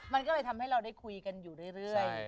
มันก็เลยทำให้เราได้คุยกันอยู่เรื่อย